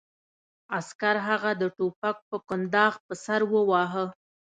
عسکر هغه د ټوپک په کنداغ په سر وواهه